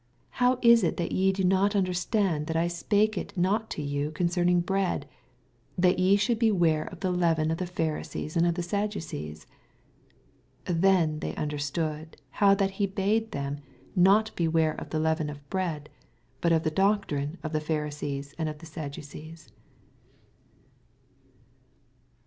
11 How is it thftt ye do not under stand that I spake U not to you con« oeming bread, that ye should beware of the leaven of the Pharisees and of the Sadducees f 12 Then understood the^how that he oade them not beware of the leaven of bread, but of the doctrine of the Pharisees and of the Sadducees.